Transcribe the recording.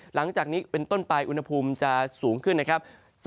หลังจากนี้เป็นต้นไปอุณหภูมิจะสูงขึ้นนะครับ